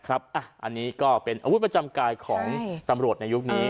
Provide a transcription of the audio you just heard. อันนี้ก็เป็นอาวุธประจำกายของตำรวจในยุคนี้